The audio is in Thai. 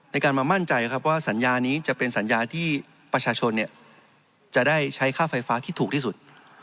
ในการมามั่นใจครับว่าสัญญานี้จะเป็นสัญญาที่ประชาชนจะได้ใช้ค่าไฟฟ้าที่ถูกที่สุด